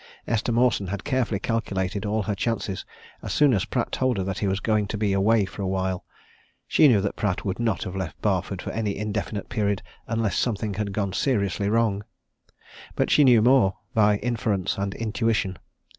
Esther Mawson had carefully calculated all her chances as soon as Pratt told her that he was going to be away for a while. She knew that Pratt would not have left Barford for any indefinite period unless something had gone seriously wrong. But she knew more by inference and intuition.